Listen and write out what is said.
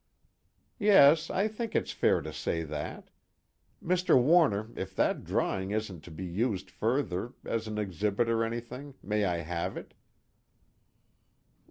"Yes, I think it's fair to say that. Mr. Warner, if that drawing isn't to be used further, as an exhibit or anything may I have it?"